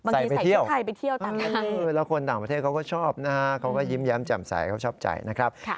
ใส่ไปเที่ยวเวลาคนต่างประเทศเขาก็ชอบนะครับเขาก็ยิ้มแย้มแจ่มใส่เขาชอบใจนะครับ